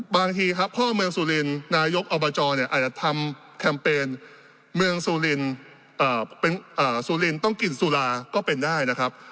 บางทีครับพ่อเมืองสุรินนายกอบจเนี่ยอาจจะทำแคมเปญเมืองสุรินสุรินต้องกินสุราก็เป็นได้นะครับ